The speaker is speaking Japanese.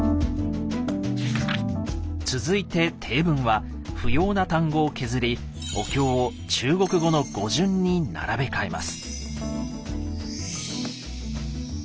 続いて「綴文」は不要な単語を削りお経を中国語の語順に並べ替えます。